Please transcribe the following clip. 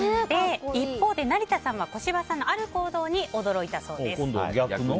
一方で成田さんは小芝さんのある行動に驚いたそうです。